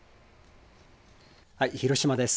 広島です。